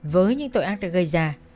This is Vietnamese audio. với những tội ác đã gây ra